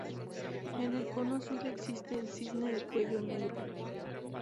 En el cono sur existe el cisne de cuello negro.